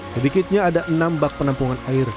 sedikitnya ada enam bak penampungan air